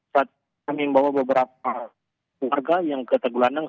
kami membawa beberapa warga yang ke tagulandang